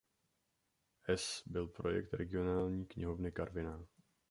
S. byl projekt Regionální knihovny Karviná.